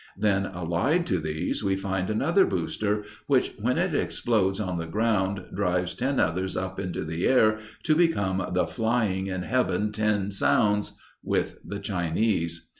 Then allied to these we find another booster, which when it explodes on the ground drives ten others up into the air to become the "flying in heaven ten sounds" with the Chinese.